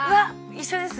一緒です。